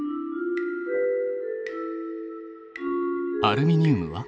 アルミニウムは？